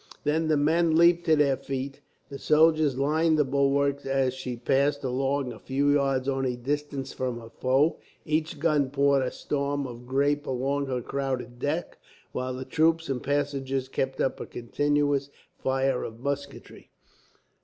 Then the men leaped to their feet, the soldiers lined the bulwarks, and as she passed along a few yards only distant from her foe, each gun poured a storm of grape along her crowded deck, while the troops and passengers kept up a continuous fire of musketry.